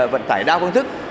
vận tải đa phương thức